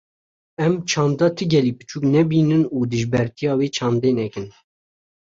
Em çanda ti gelî piçûk nebînin û dijbertiya wê çandê nekin.